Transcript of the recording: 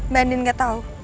mbak andin gak tahu